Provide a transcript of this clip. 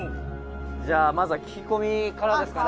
「じゃあまずは聞き込みからですかね」